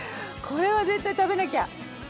これは絶対食べなきゃ。